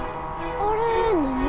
あれ何？